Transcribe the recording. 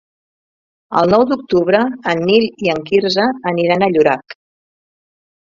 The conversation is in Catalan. El nou d'octubre en Nil i en Quirze aniran a Llorac.